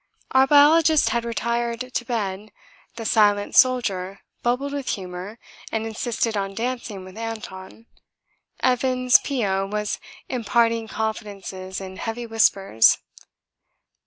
Our biologist had retired to bed, the silent Soldier bubbled with humour and insisted on dancing with Anton. Evans, P.O., was imparting confidences in heavy whispers.